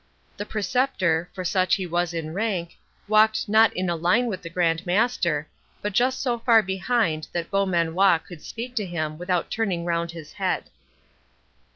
The Preceptor, for such he was in rank, walked not in a line with the Grand Master, but just so far behind that Beaumanoir could speak to him without turning round his head.